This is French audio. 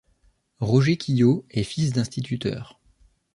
Roger Quilliot est fils d'instituteur.